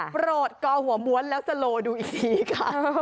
โปรดกอหัวม้วนแล้วสโลดูอีกทีค่ะ